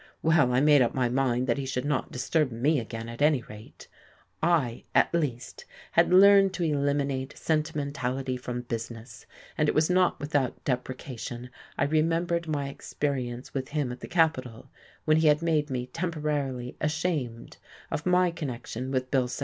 Well, I made up my mind that he should not disturb me again, at any rate: I, at least, had learned to eliminate sentimentality from business, and it was not without deprecation I remembered my experience with him at the Capital, when he had made me temporarily ashamed of my connection with Bill 709.